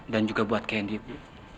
dan juga buat candy bu